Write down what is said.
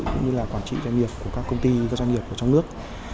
cũng như là quản trị doanh nghiệp của các công ty các doanh nghiệp ở trong nước